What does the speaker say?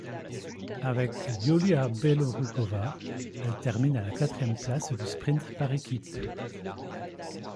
Avec Yulia Belorukova, elle termine à la quatrième place du sprint par équipes.